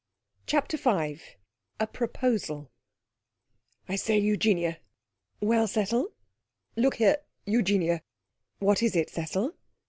CHAPTER V A Proposal 'I say, Eugenia.' 'Well, Cecil?' 'Look here, Eugenia.' 'What is it, Cecil?'